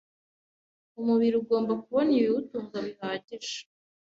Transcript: Umubiri ugomba kubona ibiwutunga bihagije.